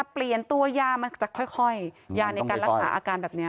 เปลี่ยนตัวยามันจะค่อยยาในการรักษาอาการแบบนี้